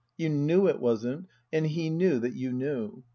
You knew it wasn't ; and he knew that you knew.